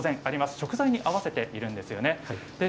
食材に合わせているんですよね。